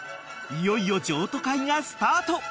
いよいよ譲渡会がスタート］